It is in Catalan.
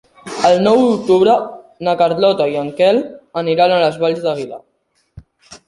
El nou d'octubre na Carlota i en Quel aniran a les Valls d'Aguilar.